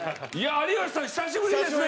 有吉さん、久しぶりですね！